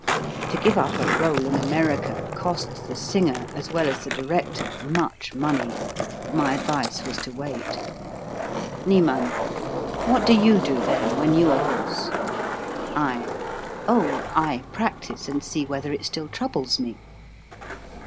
To give up a role in America costs the singer, as well as the director, much money. My advice was to wait. Niemann. What do you do, then, when you are hoarse ?/. Oh, I practise and see whether it still troubles me.